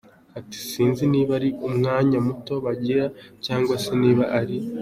Ati “Sinzi niba ari umwanya muto bagira cyangwa se niba ari….